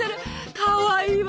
かわいいわ。